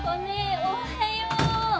おはよう。